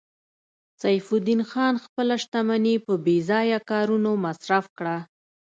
سیف الدین خان خپله شتمني په بې ځایه کارونو مصرف کړه